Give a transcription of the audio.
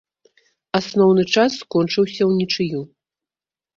Асноўны час скончыўся ўнічыю.